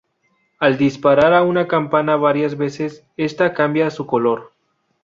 Al disparar a una campana varias veces, esta cambia su color.